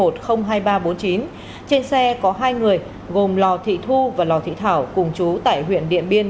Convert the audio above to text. trên xe có hai người gồm lò thị thu và lò thị thảo cùng chú tại huyện điện biên